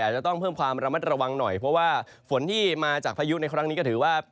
อาจจะต้องเพิ่มความระมัดระวังหน่อยเพราะว่าฝนที่มาจากพายุในครั้งนี้ก็ถือว่า